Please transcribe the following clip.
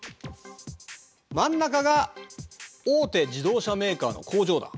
真ん中が大手自動車メーカーの工場だ。